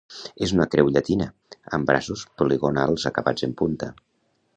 És una creu llatina amb braços poligonals acabats en punta.